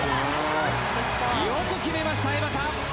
よく決めました江畑。